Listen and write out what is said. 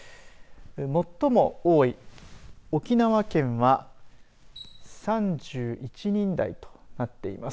最も多い沖縄県は３１人台となっています。